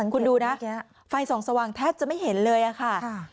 คุณดูนะไฟส่องสว่างแทบจะไม่เห็นเลยค่ะ